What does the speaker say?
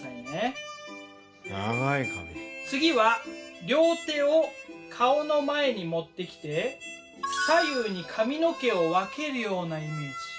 次は両手を顔の前に持ってきて左右に髪の毛を分けるようなイメージ。